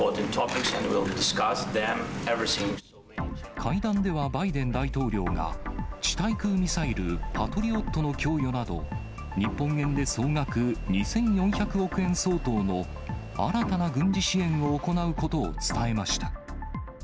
会談ではバイデン大統領が、地対空ミサイル、パトリオットの供与など、日本円で総額２４００億円相当の新たな軍事支援を行うことを伝えました。